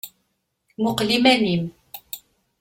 Muqqel iman-im.